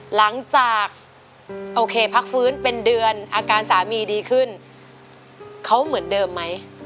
หลังจากโอเคพักฟื้นเป็นเดือนอาการสามีดีขึ้นเขาเหมือนเดิมไหม